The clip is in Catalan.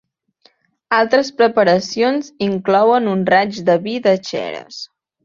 Altres preparacions inclouen un raig de vi de xerès.